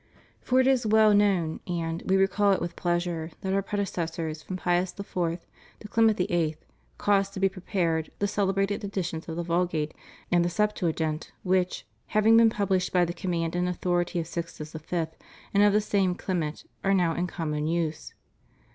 For it is well known, and We recall it with pleasure, that Our predecessors, from Pius IV. to Clement VIII., caused to be prepared the celebrated editions of the Vulgate and the Septuagint, which, having been published by the command and authority of Sixtus V., and of the same Clement, are now in common use.